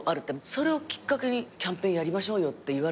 それをきっかけにキャンペーンやりましょうって言われたんです。